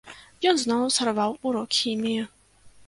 Ён зноў сарваў урок хіміі.